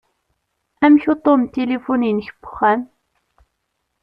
Amek uṭṭun n tilifu-inek n uxxam?